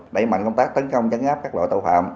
đẩy mạnh công tác tấn công chấn áp các loại tội phạm